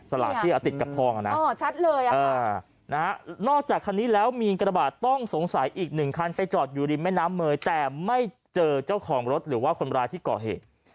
สลากที่อะติดกับพองอะนะอ๋อชัดเลยอะเออนะฮะนอกจากคันนี้แล้วมีกระบาดต้องสงสัยอีกหนึ่งคันไปจอดอยู่ริมแม่น้ำเมย์แต่ไม่เจอเจ้าของรถหรือว่าคนร้ายที่เกาะเหตุ